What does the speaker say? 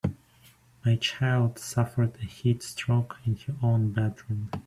My child suffered a heat stroke in her own bedroom.